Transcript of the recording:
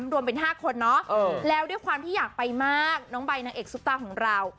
รวมเป็น๕คนเนาะแล้วด้วยความที่อยากไปมากน้องใบนางเอกซุปตาของเรา